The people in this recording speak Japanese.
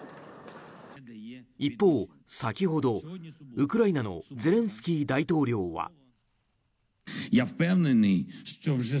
一方、先ほどウクライナのゼレンスキー大統領は。